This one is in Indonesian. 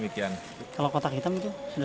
kalau kotak hitam itu